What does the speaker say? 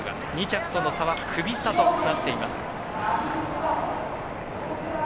２着との差はクビ差となっています。